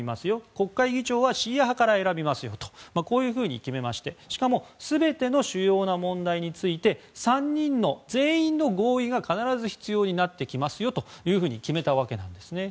国会議長はシーア派から選びますよと決めて主要な問題について３人の、全員の合意が必ず必要になりますよと決めたわけなんです。